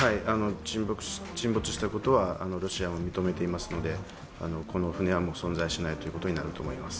沈没してることはロシアも認めていますのでこの船は存在しないということになると思います。